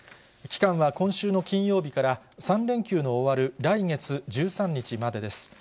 期間は今週の金曜日から３連休の終わる来月１３日までです。